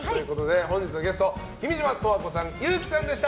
本日のゲスト、君島十和子さん憂樹さんでした。